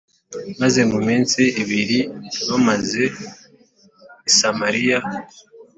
, maze mu minsi ibiri bamaze i Samariya,